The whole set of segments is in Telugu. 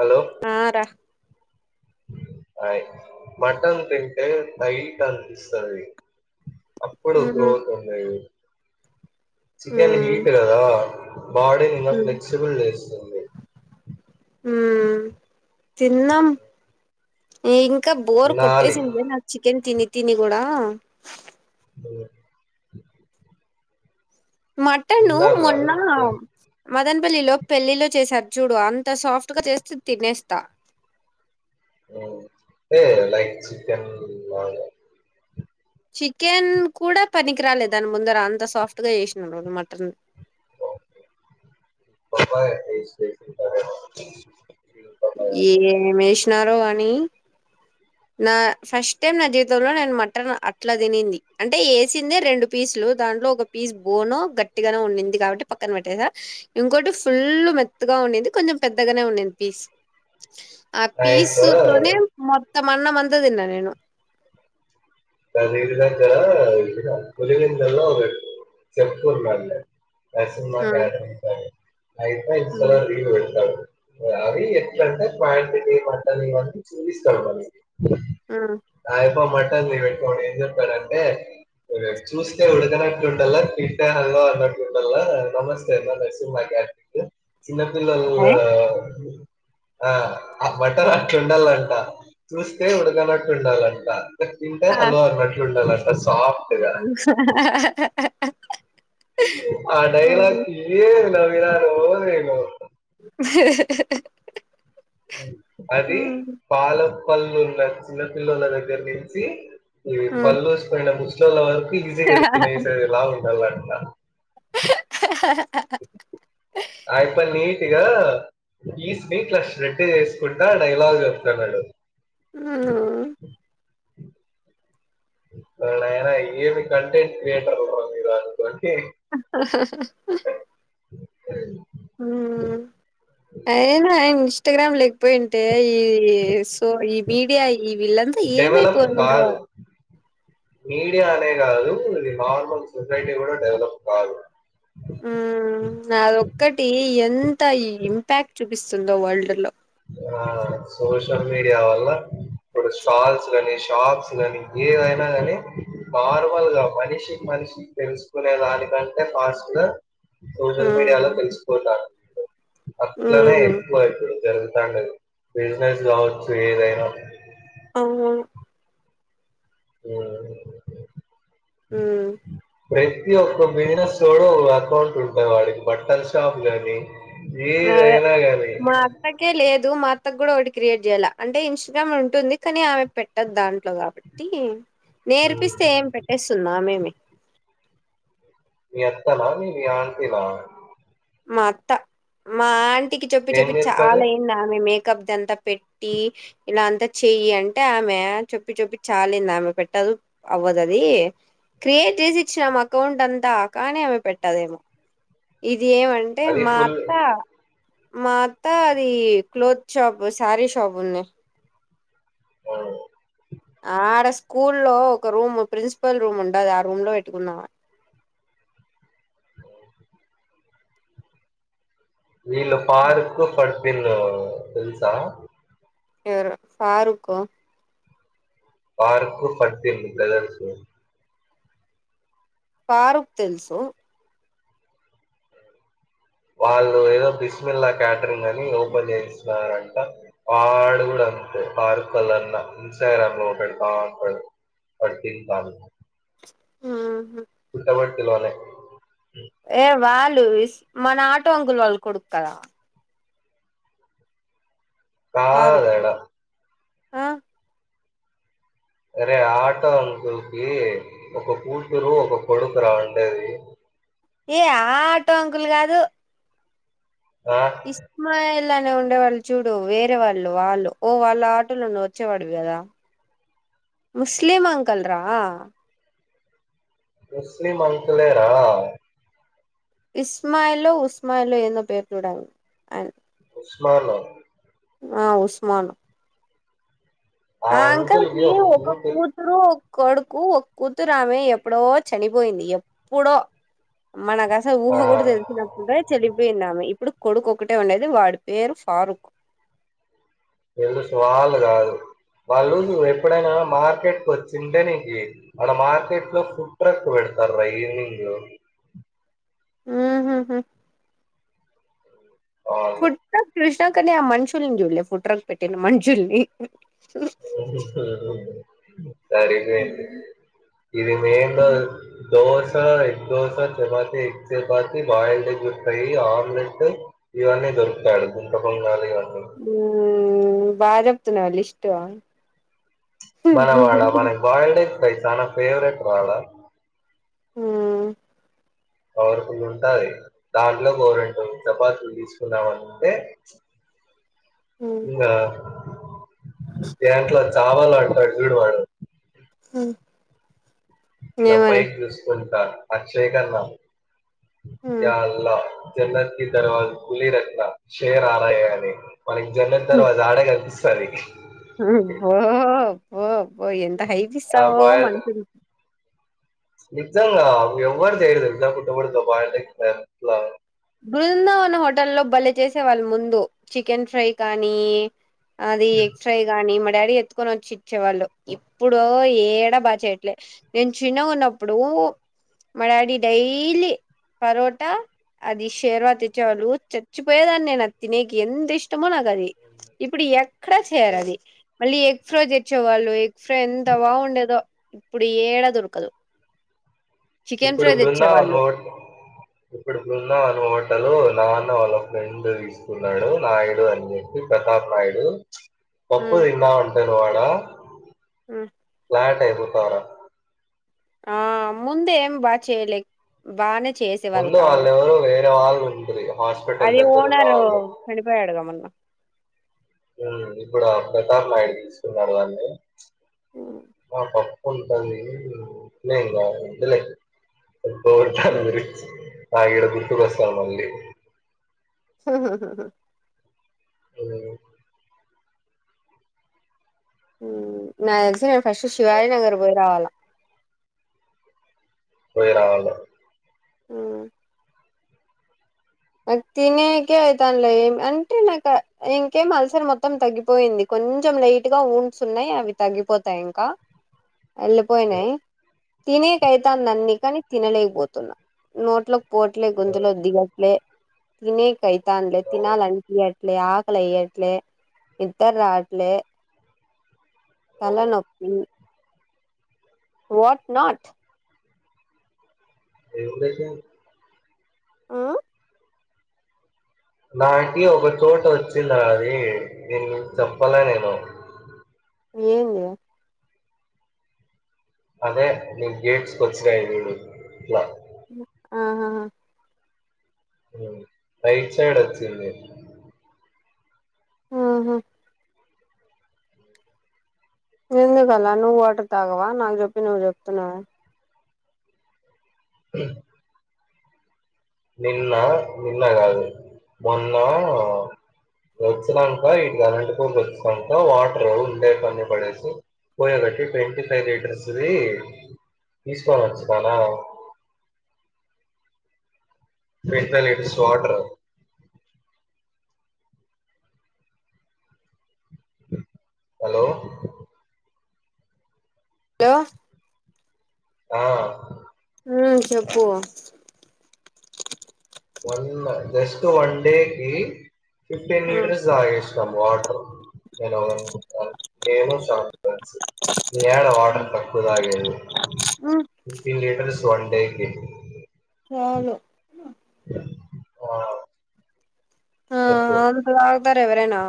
హలో! ఆ రా హా [inaudible] హయ్ బట్టలు పెడితే పైకి అనిపిస్తాది ఇప్పుడు మ్మ్ గ్రోత్ ఉంన్నాయి చికెన్ మ్మ్ హీటు బాడీ ఇమర్ ఫ్లెక్సిబుల్ లేస్సు ఊ తిన్నాం ఇంకా బోర్ వినాలి కొట్టేసింది నాకు చికెన్ తిని తని కూడా ఉ మటను మొన్న కాదు. మదన్పల్లిలో పెళ్ళిలో చేసారు చూడు అంత సాఫ్ట్ గా చేస్తే తినేస్తా ఓ అంటేలైక్ చికెన్ లాగా చికెన్ కూడా పనికి రాలే దాని ముందర అంత సాఫ్ట్ గా చేసిన ఈరోజు మటన్ అబ్బా కూర బాగ చేసి పెట్టింటారెమో ఏ మేసినారోఅని నా ఫస్ట్ టైమ్ నా జీవితంలో నేను మటన్ అట్లా తినింది అంటే వేసిందే రెండు పీసులు దాంట్లో ఒక పీస్ బోనో గట్టిగాను ఉండింది కాబట్టి పక్కన పెట్టేశా ఇంకోటి ఫుల్ మెత్తగా ఉండింది కొంచెం పెద్దగానే ఉండింది పీస్ ఆ ఫిసు నైస్ తోనే మొత్తం అన్నం అంతదిన్న నేను ద నిది దగ్గర పులివెందల్లో ఒక చెట్టు ఉన్నాదిలే దసినిమా హ్మ్. క్యాటరింగ్ అయితే ఇంతలో హ్మ్. లివ్ పెడతాడు అవి ఎట్లంటే పాయింటికిమంటని అని చూయిస్తాడు వాడు అ ఆయప్ప మంటల్ని పెట్టుకొని ఏంచెప్పాడంటే చూస్తే ఉడుకనట్లు ఉండల్ల తిట్టే హల్ అన్నట్టు ఉండల్ల నమస్తే అన్ననరసింహగ్య హు ఏ? చిన్నపిల్లొల్లా అ ఆ బట్టర్ అట్లు ఉండలంట చూస్తే ఉడకనట్టు ఉండాలంట తింటే ఆ! హలో అన్నట్లు ఉండలంట సాప్ట్ గా హుఅహ్ అహ్ అహ్ అహ్ అడైలాగ్ కీ నవ్వినా వో ఏమో ఇ హ్ హ్ హ్ అది హ్మ్. పాలప్ పల్లుల చిన్నపిల్లోల్ల దగ్గర నుంచి ఇవి పళ్లు ఊస్ పోయిన ముస్లోల్ల వరకు ఈజీగా తినేసేలాగా ఉండలంట అహ్ హ హ హ ఆయప్ప నీటిగాఈస్ ని ఇట్ల శ్రేడ్‌చేసుకుంటా డైలాగ్ చెప్తాన్నాడు ఊమ్ హు హు ఓరి నాయనా ఏమి కంటెంట్ క్రియేటర్ రా మీరు అనుకోంటి [inaudible] ఊ ఐనా ఇన్స్టాగ్రామ్ లే పోయింటే ఈ సో ఈ మీడియా ఇవిలంత డెవలప్ ఏమైపోయిండే వాల్లు కాదు. మీడియా అనే కాదు ఇది నార్మల్ సొసైటీ కూడా డెవలప్ కాదు ఊ అదొక్కటీ ఎంతా ఇంపాక్ట్ చూపిస్తుందో వరల్డ్లో ఆ సోషల్ మీడియా వల్ల ఒక స్టాల్స్ గానీ షాప్స్ గానీ ఏదైనా గానీ నార్మల్ గా మనిషి కి మనిషి కి తెలుసుకునే దానికంటే ఫాస్ట్ గా సోషల్ మీడియాలో హ్మ్. తెలిసిపోతుంది అట్లనే హ్మ్. ఎక్కువ ఇప్పుడు జరుగుతాండేది బిజినెస్ కావచ్చు ఏదైనా అవును హు హు ఊ ప్రతి ఒక్క బిజినెస్ వోడు అకౌంట్ ఉంటాయి వాడికి బట్టల షాప్ కాని అదే ఏదైనా గాని మా అత్తకే లేదు మా అత్త కూడా ఒకటి క్రియేట్ చేయాలి అంటే ఇన్స్టాగ్రామ్ ఉంటుంది కాని ఆమె పె పెట్టదు దాంట్లో కాబట్టీ నేర్పిస్తే ఏం పెట్టేస్తుంది ఆమెమి మీ అత్తనా మీ ఆంటీ నా మా అత్త మా ఆంటీకి చెప్పి ఏం చెప్పి చేస్తారు చాలా ఏంది ఆమె మేకప్దింతా పెట్టీ ఇలా అంతా చెయ్యి అంటే ఆమే చెప్పి చెప్పి చాలైంది ఆమె పెట్టదు అవ్వదు అదీ క్రియేట్ చేసి ఇచ్చినాం అకౌంట్ అంతా కానీ ఆమె పెట్టదేమో? ఇది ఏమంటే అది మా ఫుల్ అత్తా మా అత్తా అది క్లోత్ షాప్ శారీ షాప్ ఉంది. ఓ ఆడ స్కూల్ లో ఒక రూమ్ ప్రిన్సిపల్ రూమ్ ఉండది ఆ రూమ్ లో పెట్టుకుంది ఆమె వీళ్ళ పాార్క్ పట్పిన్ తెల్సా ఎవరు ఫారూక్ ఫరూక్ [unintelligible] బ్రదర్స్ ఫారూక్ తెలుసు వాళ్ళు ఏదో బిస్మిల్లా క్యాటరింగ్ అని ఓపెన్ చేసినారంట వాడు కూడా అంతే ఫారూఖ్ వాళ్ళ అన్న ఇన్స్టాగ్రామలో పెడతా ఉంటాడు [unintelligible] ఆహా పుట్టపర్తి లోనే ఏ వాళ్ళు ఇష్ మన ఆటో అంకుల్ వాళ్ళ కొడుకు కదా ఫారూఖ్ కాదడ ఆ అరే ఆటో అంకుల్కి ఒక కూతురు ఒక కొడుకు రా ఉండేది ఏ ఆ ఆటో అంకుల్ కాదు ఆ ఇస్మాయిల్ అనే ఉండే వాళ్ళు చూడు వేరే వాళ్ళు వాళ్ళు ఓ వాళ్ళ ఆటోలో నువ్వు వచ్చేవాడివి కదా ముస్లిమ్ అంకుల్ రా ముస్లిం అంకులేరా ఇస్మయిల్ ఉస్మాయిలో ఏందో పేరు చూడు అ ఉస్మానా ఆ ఉస్మాన్ ఆ అంకుల్ కి ఒక కూతు ఆ ఒక కొడుకు ఒక కూతురు ఆమె ఎప్పుడో చనిపోయింది ఎప్పుడో మనకసలు ఆ! ఊహ కూడా తెలిసినప్పుడే చనిపోయింది ఆమె ఎపు ఇప్పుడు కొడుకు ఒక్కటే ఉండేది వాడి పేరు ఫారూక్ తెలుసు వాళ్లు కాదు, వాళ్ళు ఎప్పుడైనా మార్కెట్కి వచ్చింటే నీక్ ఆడ మార్కెట్లో ఫుడ్ ట్రాక్ పెడతార్ర ఈవనింగ్లొ ఊహుహు ఆళ్ళు. ఫుడ్ట్రాక్ చూసినాకని ఆ మనుషుల్ని చూడలే ఫుడ్ట్రాక్ పెట్టిన మనుషుల్ని సరిపోయింది ఇది మెయిన్ డో dosa, egg dosa, chapati, egg chapati, boiled egg, omelette ఇవన్నీ దొరుకుతాయాడ గుంట పొంగనాలు ఇవన్నీ ఊ బాజప్తున్నావు లిస్టు మనవాడ మనకి బాల్డైస్ చానా ఫేవరెట్రా ఆడ ఉ పవర్ఫుల్ ఉంటాది దాంట్లో గోరెంట్ చపాతీలు తీసుకుందామ అనింటే ఆ ఇంగ యేట్లా చావాలాంటాడు చూడు వాడు ఉ ఇగ పైకి చూసుకుంటా [unintelligible] యే అల్ల జన్నత్కి దర్వాజ ఖలీ రనా శేర్ ఆరాహే అని మనకి [unintelligible] తర్వాత ఆడే కనిపిస్తది బో బో బో ఎంత హైప్ ఆ ఇస్తావో బాయ్ మనుషుల నిజంగా ఎవ్వరు చెయ్యరు తెలుసా పుట్టగొడుగుతో బోల్డ్ ఎగ్ [unintelligible] బృందావన హోటల్లో బలే చేసేవాళ్ళు ముందు చికెన్ ఫ్రై కానీ అది ఎగ ఫ్రై గానీ మా డాడీ ఎతుకొని వచ్చి ఇచ్చేవాళ్ళు ఇప్పుడు ఏడా బాగా చేయట్లే నేను చిన్నగ ఉన్నప్పుడు మా డాడీ డైలీ పరోటా, అది షేర్వా తెచ్చేవాళ్ళు చచ్చిపోయేదాన్ని నేను అ తినేకి ఎంత ఇష్టమో నాకు అది ఇప్పుడు ఎక్కడ చేయరు అది మళ్ళీ ఎగ్ ఫ్రోజ్ తెచ్చేవాళ్ళు ఎగ్ ఫ్రే ఎంత బాగుండేదొ ఇప్పుడు ఏడా దొరకదు చికెన్ ఇప్పుడు ఫ్రై బృందావనం తెచ్చేవాళ్ళు హో ఇప్పుడిప్పుడున్న అనుమాటలు నాన్న వాళ్ళ ఫ్రెండ్ తీసుకున్నాడు నాయుడు అన్ని ప్రతాప్ నాయుడు పప్పు ఉమ్ తిన్నా ఉంటడు వాడ హు ఫ్లాట్ అయిపోతార ఆ ముందే ఏం బా చేయలేక్ బానే ముందు చేసేవాళ్ళుకాదు వాళ్ళెవరో వేరే వాళ్ళు ఉండ్రి హాస్పిటల్ అది దగ్గర ఉన్న ఓనరు వాళ్ళు చనిడిపోయాడుగా మొన్న ఇప్పుడు ఆ ప్రతాప్ నాయుడు తీసుకున్నారు దాన్ని హ్మ్. మా పా ఉంటుంది ఏం కాదు ఒద్దులే అబ్బో చానా రిచ్ ఆ ఇడ గుర్తుకొస్తాన్ మళ్ళీ హూహుహుహు ఏమైనా నాకు తెలిసి నేను ఫస్ట్ శివాజీ నగర్ పోయి రావాలా పోయ రావాలే ఉ నాక్ తినేకే అవుతానులో ఏమి అంటే నాకు ఇంకేం అలసరి మొత్తం తగ్గిపోయింది కొంచెం లైట్ గా ఊండ్సున్నాయి అవి తగ్గిపోతాయి ఇంకా ఉమ్, వెళ్ళిపోయినాయి తినేకైతాందన్ని కానీ తినలేకపోతున్నా నోట్లో పోట్లే ఉమ్, గుంతలో ద్దిగా లే తినీక్ కైతాన్లే ఉమ్, తినాలనిపియట్లే ఆకలి ఏయాట్లే నిద్రరాట్లే ఉమ్. తలనొప్పి వట్ నట్ ఏం దేశాన్ ఆ నాకి ఒక చోటోచ్చింది రా అది నేను చెప్పలే నేను ఏందే అదే నీ గేట్స్కి వచ్చినాయిజూడు ఉమ్ ఆహాహా ఉమ్మ్ రైట్ సైడ్ వచ్చింది ఆహా ఎందుకలా నువ్వు వాటర్ తాగవా నాకు జేప్పి నువ్వు జేప్తున్నావ టాగ్ నిన్న నిన్న గాదు మొన్న వచ్చిన్నాక ఇటు గారంట్ పోల్ వచ్చిన్నాక వాటర్ ఉండే కొన్ని పడేసి పోయగాట్టి ట్వంటీ ఫైవ్ లీటర్స్వి తీసుకోని వచ్చు నానా ఫిట్రలేడీస్ స్వాటర్ హలో హలో ఆ ఉమ్మ్ చెప్పు వన్ జస్ట్ వన్ డేకి ఫిఫ్టీన్ మీలీటర్స్ తాగేసిండు తమ్ వాటర్ నేన్ ఒగన్ నేను షాప్ యాడా వాటర్ తక్కుదాగేది ఉమ్ ఫిఫటీన్ లీటర్స్ వన్ డే కి చాలు వావ్ ఆ అంతలా అగుతారా ఎవరేనా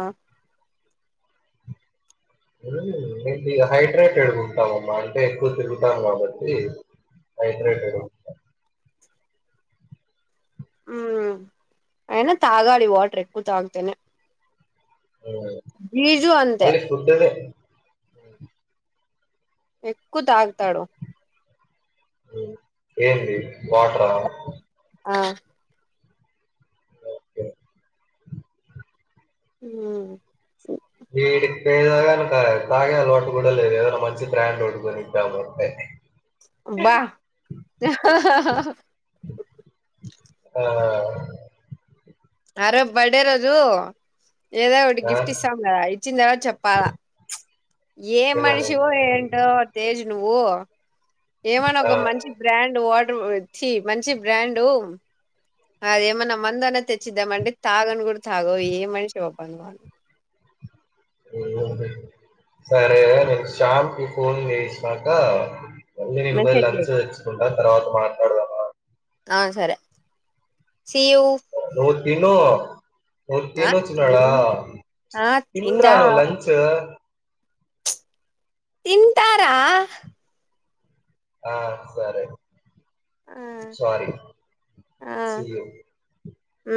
మే హైడ్రేటెడ్గా ఉంటామామ్మా అంటే ఎక్కువ తిరుగుతాం గాబట్టి హైగ్రేటెడ్ ఉమ్మ్ అయినా తాగాలి వాటర్ ఎక్కువ తాగ్తేనే ఉమ్మ్ బీజు అంతే ఉత్తదే ఎక్కు తాగ్తాడు ఏంది వాటరా ఆ ఓకే ఉమ్మ్ వీడికి పే [unintelligible] తాగే అలవాటు గూడ లేదు ఏదనా మంచి బ్రాండ్ ఒటి కొనిదామ్మంటే అబ్బా ఆ హాహా ఆ ఆ రో బర్డే రోజు ఏదో ఒకటి ఆ! గిఫ్ట్ ఇస్తాం గదా ఇచ్చిన తర్వాత చెప్పాల ఏం ఏమని? మనిషివో ఏంటో తేజ్ నువ్వు ఏమన్నా ఆ! ఒక మంచి బ్రాండ్ వాటరు ఛీ మంచి బ్రాండు అదేమన్నా మందన్నా తెచ్చిద్దామంటే నువ్వు తాగను కూడా తాగవు ఏం మనిషివో అబ్బా నువ్వు సరే నేను శ్యామ్ కి ఫోన్ చేసినాక మళ్ళీ నేను బొయ్యి మెసేజ్ లంచ్ చెయ్ తెచ్చుకుంటా తర్వాత మాట్లాడుదా ఆ సరే సీ యూ నువ్ తిను నువ్ ఆ తిను చిన్నోడా తిన్ ఆ తిన్ రా తింటా నువ్ లంచు తింటా రా ఆ సరే ఆ సారీ సీ యూ ఊ